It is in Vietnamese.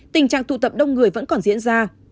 tình trạng tụ tập đông người vẫn còn diễn ra